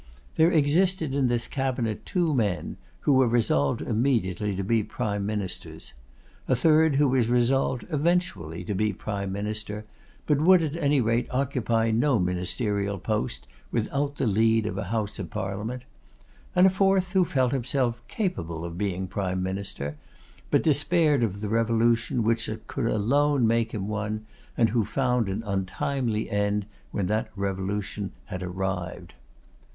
There existed in this cabinet two men, who were resolved immediately to be prime ministers; a third who was resolved eventually to be prime minister, but would at any rate occupy no ministerial post without the lead of a House of Parliament; and a fourth, who felt himself capable of being prime minister, but despaired of the revolution which could alone make him one; and who found an untimely end when that revolution had arrived.